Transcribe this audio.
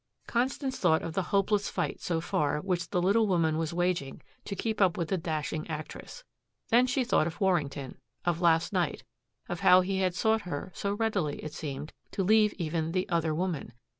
Constance thought of the hopeless fight so far which the little woman was waging to keep up with the dashing actress. Then she thought of Warrington, of last night, of how he had sought her, so ready, it seemed, to leave even the "other woman."